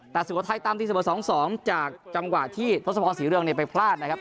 แต่สุโขทัยตามที่๑๒๒จากจำกวดที่ทศพสีเรื่องไปพลาดนะครับ